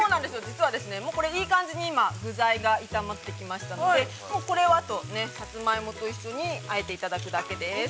◆実はこれ、いい感じに具材が炒まってきましたので、これはあと、さつまいもと、そこそこにあえていただくだけです。